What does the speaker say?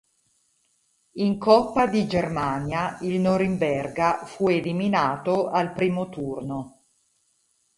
In coppa di Germania il Norimberga fu eliminato al primo turno dall'.